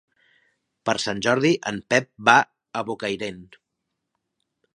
Per Sant Jordi en Pep va a Bocairent.